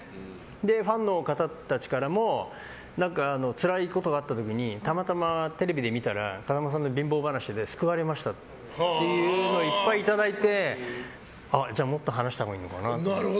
ファンの方たちからもつらいことがあった時にたまたまテレビで見たら風間さんの貧乏話で救われましたっていうのをいっぱいいただいてじゃあもっと話したほうがいいのかなと。